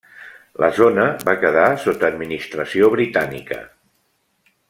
La zona va quedar sota administració britànica.